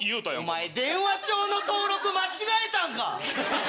お前電話帳の登録間違えたんか！